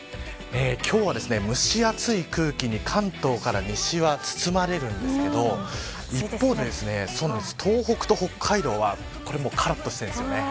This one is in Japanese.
今日は蒸し暑い空気に関東から西は包まれるんですけど一方で、東北と北海道はからっとしてるんです。